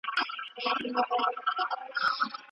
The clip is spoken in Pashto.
سړي وویل زما هغه ورځ یادېږي